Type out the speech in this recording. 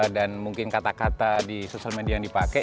dan mungkin kata kata di sosial media yang dipakai